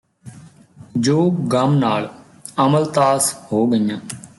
ਜੋ ਗ਼ਮ ਨਾਲ ਅਮਲਤਾਸ ਹੋ ਗਈਆਂ